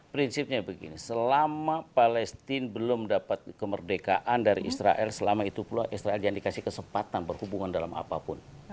prinsipnya begini selama palestine belum dapat kemerdekaan dari israel selama itu pula israel yang dikasih kesempatan berhubungan dalam apapun